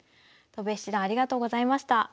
戸辺七段ありがとうございました。